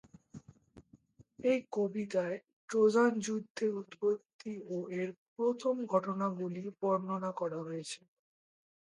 এই কবিতায় ট্রোজান যুদ্ধের উৎপত্তি ও এর প্রথম ঘটনাগুলি বর্ণনা করা হয়েছে।